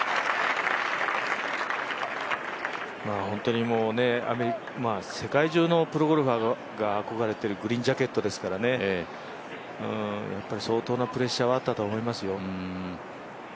本当に世界中のプロゴルファーが憧れているグリーンジャケットですから、相当なプレッシャーはあったと思いますよ。